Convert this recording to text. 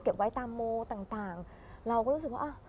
เก็บไว้ตามโมต่างเราก็รู้สึกว่า